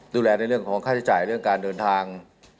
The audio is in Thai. ในเรื่องของค่าใช้จ่ายเรื่องการเดินทาง